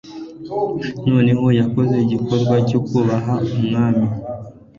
noneho yakoze igikorwa cyo kubaha umwami